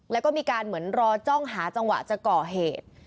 แล้วก็มีการเหมือนรอจ้องหาจังหวะจะก่อเหตุ